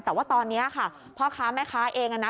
แต่ว่าตอนนี้ค่ะพ่อค้าแม่ค้าเองนะ